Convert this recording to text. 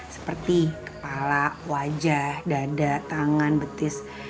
seperti kepala wajah dada tangan betis